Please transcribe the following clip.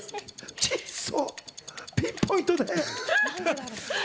ピンポイントね。